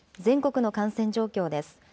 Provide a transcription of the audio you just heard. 全国の感染状況です。